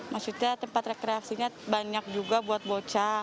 maksudnya tempat rekreasinya banyak juga buat bocah